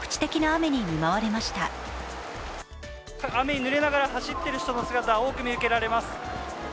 雨にぬれながら走っている人の姿が多く見かけられます。